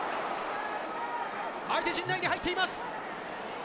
相手陣内に入っています。